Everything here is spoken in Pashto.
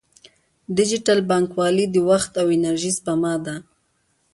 ډیجیټل بانکوالي د وخت او انرژۍ سپما ده.